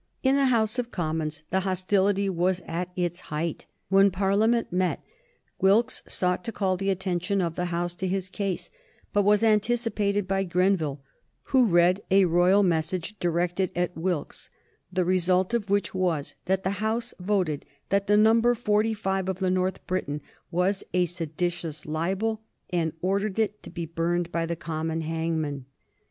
In the House of Commons the hostility was at its height. When Parliament met Wilkes sought to call the attention of the House to his case, but was anticipated by Grenville, who read a royal message directed at Wilkes, the result of which was that the House voted that the number Forty five of the North Briton was a seditious libel, and ordered it to be burned by the common hangman.